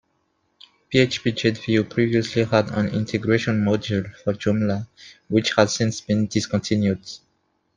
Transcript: PhpGedView previously had an integration module for Joomla which has since been discontinued.